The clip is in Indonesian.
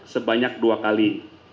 sebanyak dua kali